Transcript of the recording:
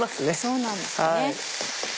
そうなんですよね。